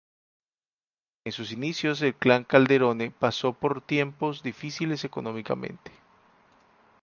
En sus inicios el clan Calderone pasó por tiempos difíciles económicamente.